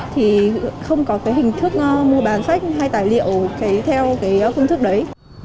thì không có cái hình thức mua bàn sách hay tài liệu theo cái hình thức đấy